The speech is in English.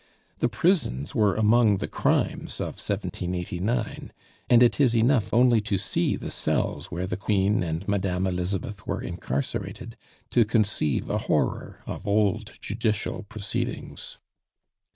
The prisons were among the crimes of 1789, and it is enough only to see the cells where the Queen and Madame Elizabeth were incarcerated to conceive a horror of old judicial proceedings.